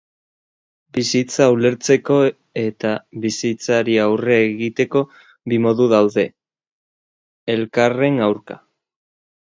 Bizitza ulertzeko eta bizitzari aurre egite bi modu, elkarren aurka.